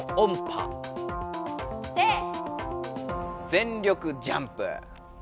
全力ジャンプ。